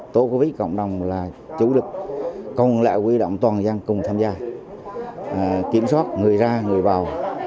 tô quý cộng đồng là chủ lực còn lại quy động toàn dân cùng tham gia kiểm soát người ra người vào